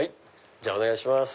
じゃあお願いします。